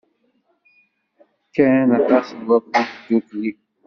Kkan aṭas n wakud ddukkli.